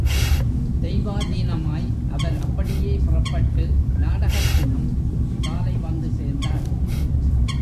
தெய்வாதீனமாய் அவர் அப்படியே புறப்பட்டு நாடகத் தினம் காலை வந்து சேர்ந்தார்.